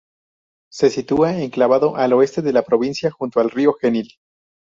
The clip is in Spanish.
Se sitúa enclavado al oeste de la provincia, junto al río Genil.